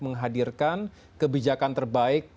menghadirkan kebijakan terbaik